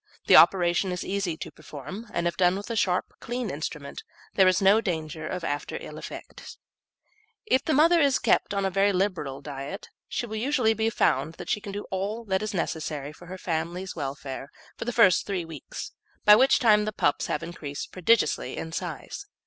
The operation is easy to perform, and if done with a sharp, clean instrument there is no danger of after ill effects. If the mother be kept on a very liberal diet, it will usually be found that she will do all that is necessary for her family's welfare for the first three weeks, by which time the pups have increased prodigiously in size.